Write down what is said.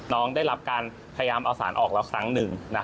น้องได้รับการพยายามเอาสารออกแล้วครั้งหนึ่ง